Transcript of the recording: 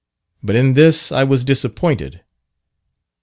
But in this I was disappointed.